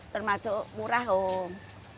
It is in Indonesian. termasuk murah om